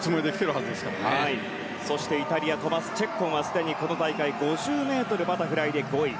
イタリアトマス・チェッコンはこの大会５０ｍバタフライで５位。